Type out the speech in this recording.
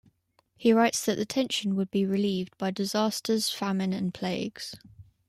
He writes that the tension would be relieved by disasters, famine, and plagues.